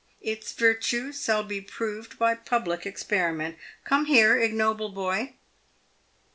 Its virtues shall be proved by public experiment Come here, ignoble boy!